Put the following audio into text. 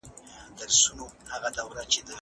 که تعلیمي ویبپاڼه وي نو پرمختګ نه دریږي.